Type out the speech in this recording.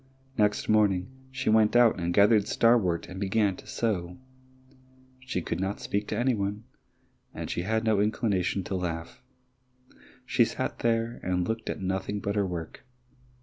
Next morning she went out and gathered starwort and began to sew. She could not speak to any one, and she had no inclination to laugh; she sat there and looked at nothing but her work.